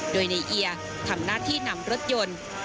โดยในเอียทำหน้าที่นำรถยนต์